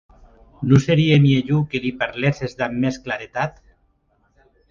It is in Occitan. Non serie mielhor que li parléssetz damb mès claretat?